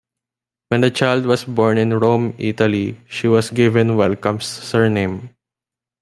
When the child was born in Rome, Italy, she was given Wellcome's surname.